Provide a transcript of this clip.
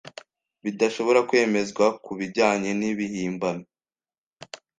bidashobora kwemezwa ku bijyanye nibihimbano